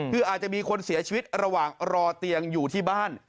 คืออาจจะมีคนเสียชีวิตระหว่างรอเตียงอยู่ที่บ้าน